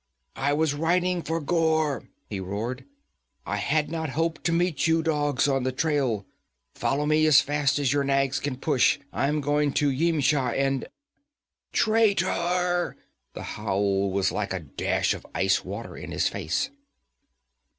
'I was riding for Ghor!' he roared. 'I had not hoped to meet you dogs on the trail. Follow me as fast as your nags can push! I'm going to Yimsha, and ' 'Traitor!' The howl was like a dash of ice water in his face.